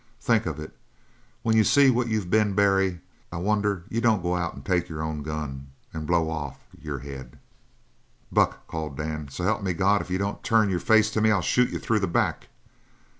Think of it! When you see what you been, Barry, I wonder you don't go out and take your own gun and blow off your head." "Buck," called Dan Barry, "so help me God, if you don't turn your face to me I'll shoot you through the back!"